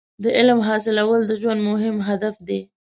• د علم حاصلول د ژوند مهم هدف دی.